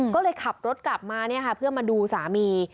ก็เลยขับรถกลับมาเพื่อมาดูสามี